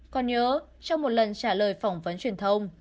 còn nhớ trong một lần trả lời phỏng vấn truyền thông